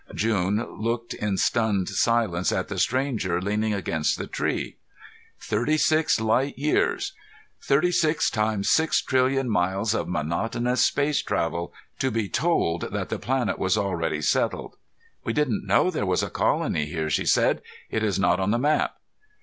June looked in stunned silence at the stranger leaning against the tree. Thirty six light years thirty six times six trillion miles of monotonous space travel to be told that the planet was already settled! "We didn't know there was a colony here," she said. "It is not on the map."